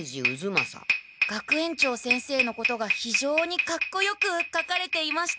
学園長先生のことがひじょうにかっこよく書かれていました。